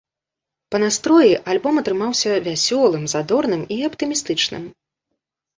Па настроі альбом атрымаўся вясёлым, задорным і аптымістычным.